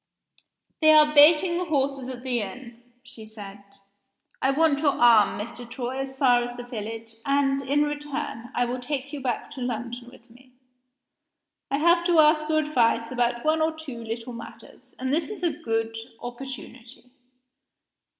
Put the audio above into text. "They are baiting the horses at the inn," she said. "I want your arm, Mr. Troy, as far as the village and, in return, I will take you back to London with me. I have to ask your advice about one or two little matters, and this is a good opportunity."